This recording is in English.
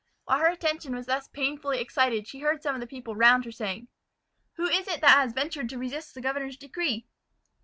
While her attention was thus painfully excited she heard some of the people round her saying, "Who is it that has ventured to resist the governor's decree?"